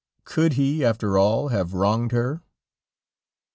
Could he after all have wronged her?